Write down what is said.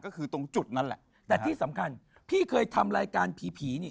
ก็คือตรงจุดนั้นแหละแต่ที่สำคัญพี่เคยทำรายการผีผีนี่